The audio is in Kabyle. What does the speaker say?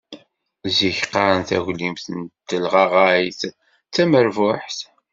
Zik qqaren taglimt n telɣaɣayt d tamerbuḥt.